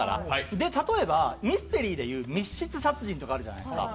例えばミステリーで言う、密室殺人とかあるじゃないですか。